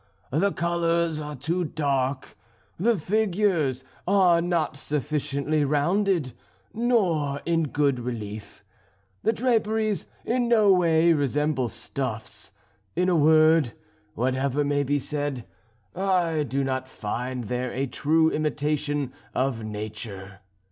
The colours are too dark, the figures are not sufficiently rounded, nor in good relief; the draperies in no way resemble stuffs. In a word, whatever may be said, I do not find there a true imitation of nature.